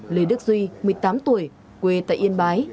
lê đức duy một mươi tám tuổi quê tại yên bái